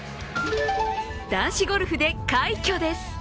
男子ゴルフで快挙です。